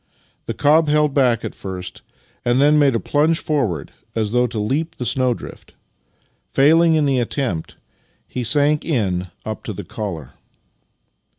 The cob held back at first, and then made a plunge forward as though to leap the snowdrift. Failing in the attempt, he sank in up to the collar.